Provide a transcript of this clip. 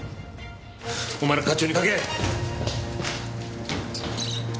お前ら課長に掛け合え！